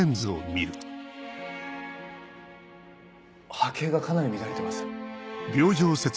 波形がかなり乱れてます。